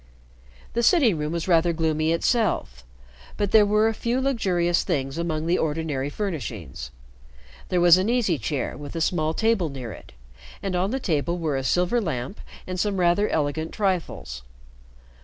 The sitting room was rather gloomy itself, but there were a few luxurious things among the ordinary furnishings. There was an easy chair with a small table near it, and on the table were a silver lamp and some rather elegant trifles.